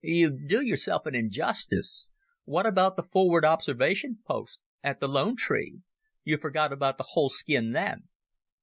"You do yourself an injustice. What about the forward observation post at the Lone Tree? You forgot about the whole skin then."